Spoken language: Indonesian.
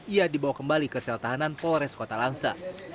ia dibawa kembali ke sel tahanan polres kota langsa